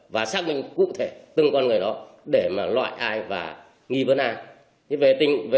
và xác minh cụ thể từng con người đó để loại ai và nghi vấn ai